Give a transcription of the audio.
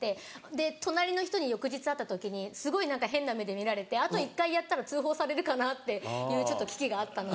で隣の人に翌日会った時にすごい変な目で見られてあと一回やったら通報されるかなっていう危機があったので。